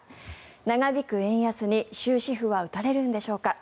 長引く円安に終止符は打たれるんでしょうか。